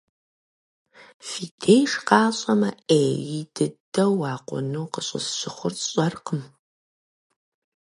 Фи деж къащӏэмэ, Ӏей дыдэу уакъуну къыщӏысщыхъур сщӏэркъым.